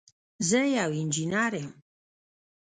زه یو انجینر یم